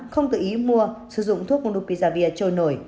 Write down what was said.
không tự ý mua sử dụng thuốc moldopizabia trôi nổi